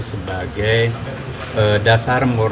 sebagai dasar yang kita lakukan